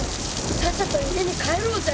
さっさと家に帰ろうぜ！